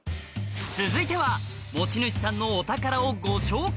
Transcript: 続いては持ち主さんのお宝をご紹介